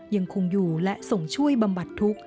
ยังคงอยู่และส่งช่วยบำบัดทุกข์